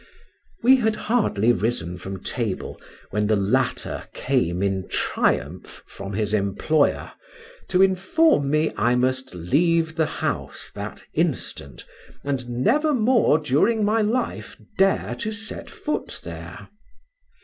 We had hardly risen from table, when the latter came in triumph from his employer, to inform me, I must leave the house that instant, and never more during my life dare to set foot there.